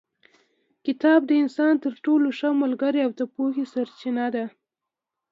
کتاب د انسان تر ټولو ښه ملګری او د پوهې سرچینه ده.